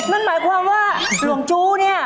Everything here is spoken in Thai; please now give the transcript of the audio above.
มันหมายความว่าหลวงจู้เนี่ย